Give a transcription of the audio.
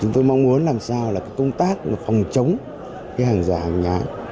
chúng tôi mong muốn làm sao là công tác phòng chống hàng giả hàng nhái